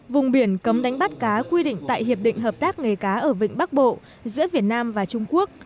vùng biển cấm đánh bắt cá quy định tại hiệp định hợp tác nghề cá ở vịnh bắc bộ giữa việt nam và trung quốc